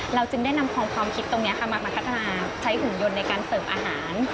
เราจึงได้นำของความคิดตรงนี้ค่ะมาพัฒนาใช้หุ่นยนต์ในการเสิร์ฟอาหาร